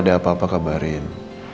ada apa apa kabarin